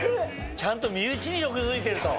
ちゃんと身内に毒づいてると。